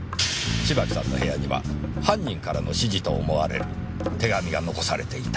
芝木さんの部屋には犯人からの指示と思われる手紙が残されていた。